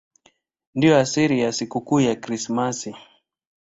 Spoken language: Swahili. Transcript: Ndiyo asili ya sikukuu ya Krismasi.